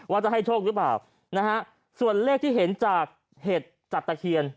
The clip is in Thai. ว่าจะให้โชคหรือเปล่านะฮะส่วนเลขที่เห็นจากเห็ดจากตะเคียน